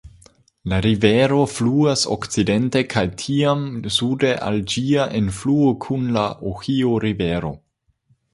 La rivero fluas okcidente kaj tiam sude al ĝia enfluo kun la Ohio-Rivero.